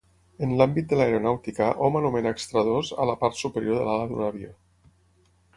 En l'àmbit de l'aeronàutica, hom anomena extradós a la part superior de l'ala d'un avió.